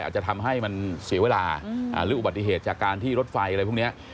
อาจจะทำให้มันเสียเวลาหรืออุบัติเหตุจากการที่รถไฟอะไรพวกนี้